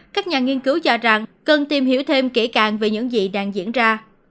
các nhà nghiên cứu cho rằng cần tìm hiểu thêm kỹ càng về những gì đang diễn ra